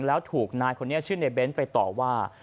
แล้วถูกนายคนนี้ชื่อในเน้นไปต่อว่า